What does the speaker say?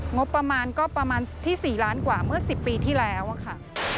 งบประมาณก็ประมาณที่๔ล้านกว่าเมื่อ๑๐ปีที่แล้วค่ะ